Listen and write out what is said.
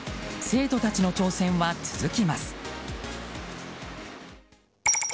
生徒たちの挑戦は続きます。